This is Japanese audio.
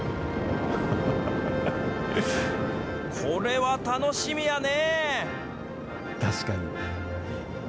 これは楽しみやね。